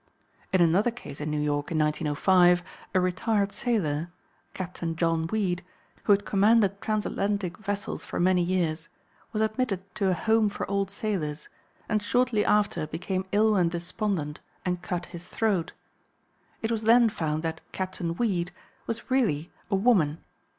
In another case in New York in 1905 a retired sailor, "Captain John Weed," who had commanded transatlantic vessels for many years, was admitted to a Home for old sailors and shortly after became ill and despondent, and cut his throat. It was then found that "Captain Weed" was really a woman.